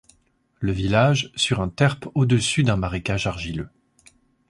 Le village sur un terp au-dessus d'un marécage argileux.